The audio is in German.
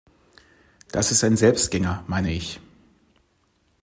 Das ist ein Selbstgänger, meine ich.